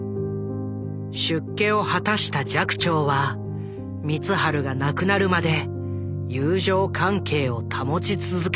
出家を果たした寂聴は光晴が亡くなるまで友情関係を保ち続けた。